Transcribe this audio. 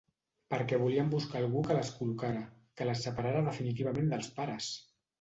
Perquè volien buscar algú que les col·locara, que les separara definitivament dels pares!